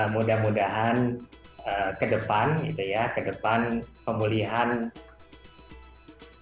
mudah mudahan ke depan ke depan pemulihan kita pasca pandemi ini dapat berlambat